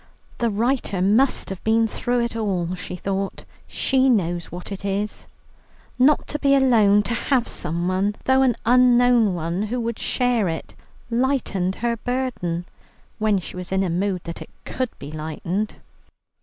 The writer must have been through it all, she thought; she knows what it is. Not to be alone, to have someone, though an unknown one, who could share it, lightened her burden, when she was in a mood that it should be lightened.